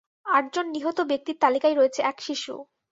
আটজন নিহত ব্যক্তির তালিকায় রয়েছে এক শিশু।